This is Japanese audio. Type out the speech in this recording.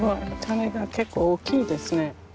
種が結構大きいですね。